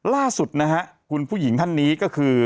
ล่าสุดนะฮะคุณผู้หญิงท่านนี้ก็คือ